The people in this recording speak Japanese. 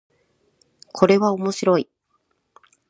これは面白い